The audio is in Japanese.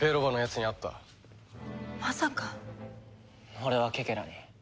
俺はケケラに。